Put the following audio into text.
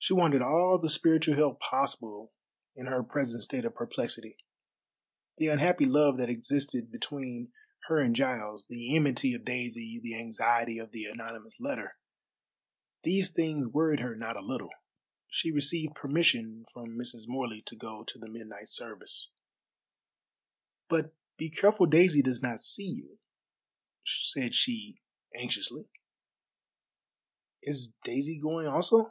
She wanted all the spiritual help possible in her present state of perplexity. The unhappy love that existed between her and Giles, the enmity of Daisy, the anxiety of the anonymous letter these things worried her not a little. She received permission from Mrs. Morley to go to the midnight service. "But be careful Daisy does not see you," said she anxiously. "Is Daisy going also?"